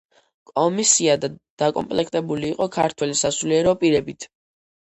კომისია დაკომპლექტებული იყო ქართველი სასულიერო პირებით.